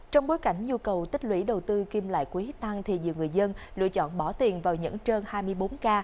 trong bối cảnh nhu cầu tích lũy đầu tư kim lại quý tăng thì nhiều người dân lựa chọn bỏ tiền vào nhẫn trơn hai mươi bốn k